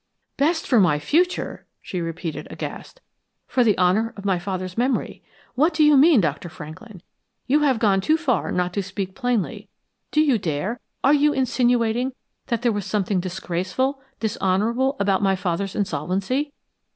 "'Best for my future!'" she repeated, aghast. "'For the honor of my father's memory.' What do you mean, Dr. Franklin? You have gone too far not to speak plainly. Do you dare are you insinuating, that there was something disgraceful, dishonorable about my father's insolvency?